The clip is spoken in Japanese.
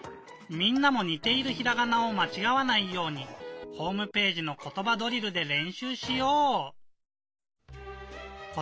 みんなもにているひらがなをまちがわないようにホームページの「ことばドリル」でれんしゅうしよう！